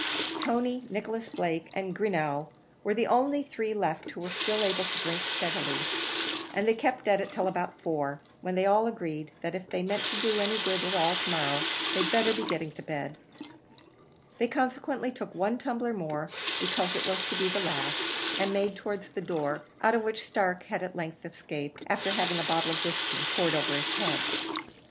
Tony, Nicholas Blake, and Greenough were the only three left who were still able to drink steadily, and they kept at it till about four, when they all agreed, that if they meant to do any good at all to morrow, they'd better be getting to bed; they consequently took one tumbler more, because it was to be the last, and made towards the door, out of which Stark had at length escaped, after having a bottle of whiskey poured over his head.